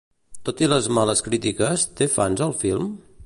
Tot i les males crítiques, té fans el film?